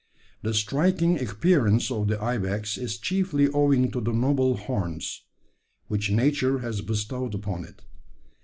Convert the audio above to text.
The striking appearance of the ibex is chiefly owing to the noble horns: which nature has bestowed upon it.